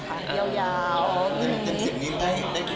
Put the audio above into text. แต่ที่นี่ได้กี่คะแนนค่ะ